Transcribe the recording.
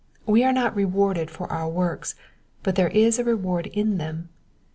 We are not rewarded for our works, but there is a reward in them.